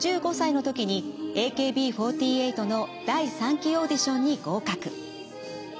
１５歳の時にＡＫＢ４８の第３期オーディションに合格。